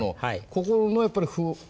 ここのやっぱり。